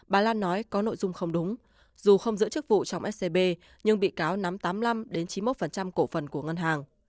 bà lan nói có nội dung không đúng dù không giữ chức vụ trong scb nhưng bị cáo nắm tám mươi năm chín mươi một cổ phần của ngân hàng